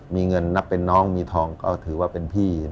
มีเงินนับเป็นน้องมีทองก็ถือว่าเป็นพี่